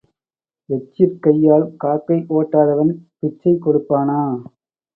எச்சிற் கையால் காக்கை ஓட்டாதவன் பிச்சை கொடுப்பானா?